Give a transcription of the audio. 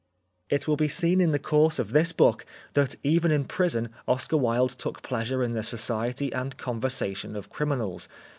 It will be seen in the course of this book that even in prison Oscar Wilde took pleasure in the society and conversation of criminals.